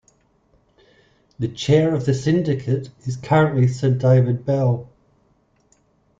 The Chair of the Syndicate is currently Sir David Bell.